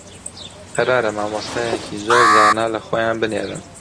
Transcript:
قەرارە مامۆستایەکی زۆر زانا لە خۆیان بنێرن